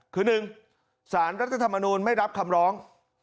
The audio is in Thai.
คือ๑สารรัฐธรรมนูลไม่รับคำร้อง